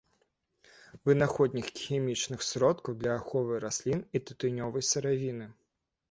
Вынаходнік хімічных сродкаў для аховы раслін і тытунёвай сыравіны.